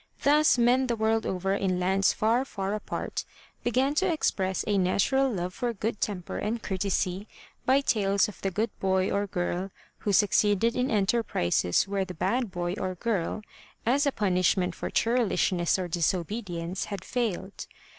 Thus men the world over in lands far, far apart began to express a natural love of good temper and courtesy by tales of the good boy or girl who succeeded in enterprises where the bad boy or girl, as a punishment for churlishness or disobedience, had failed.